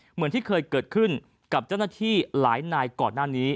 เหมือนที่เคยเกิดขึ้นกับเจ้าหน้าที่หลายนายก่อนหน้านี้